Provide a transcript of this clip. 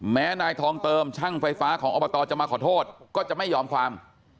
แม้นายทองเติมช่างไฟฟ้าของอบตจะมาขอโทษก็จะไม่ยอมความ